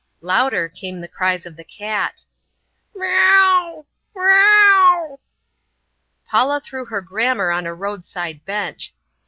Louder came the cries of the cat. "Mee ow, mee ow." Paula threw her grammar on a road side bench.